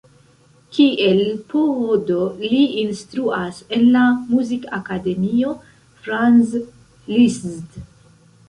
Kiel PhD li instruas en la Muzikakademio Franz Liszt.